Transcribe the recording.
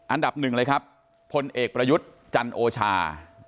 อันดับหนึ่งเลยครับพลเอกประยุทธ์จันโอชา